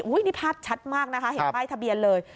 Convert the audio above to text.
อุ๊ยนี่ภาพชัดมากนะคะเห็นใต้ทะเบียนเลย